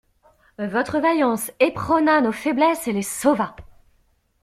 Votre vaillance éperonna nos faiblesses et les sauva!